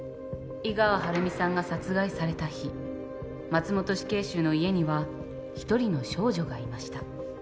井川晴美さんが殺害された日松本死刑囚の家には１人の少女がいました。